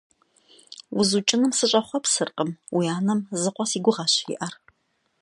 УзукӀыным сыщӀэхъуэпсыркъым, уи анэм зы къуэ си гугъэщ иӀэр…